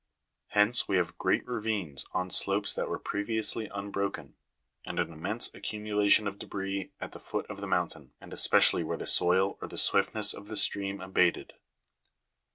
Hence we have great ravines on slopes that were pre viously unbroken, and an immense accumulation of debris at the foot of the mountain, and especially where the soil or the swiftness of the stream abated.